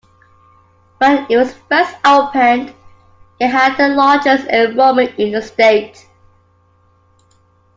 When it was first opened, it had the largest enrollment in the state.